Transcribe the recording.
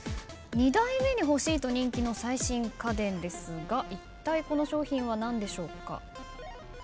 ２台目に欲しいと人気の最新家電ですがいったいこの商品は何でしょうか？